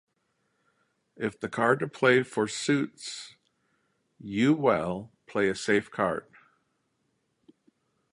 If the card to play for suits You well, play a safe card.